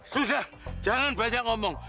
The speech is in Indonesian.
sudah jangan banyak ngomong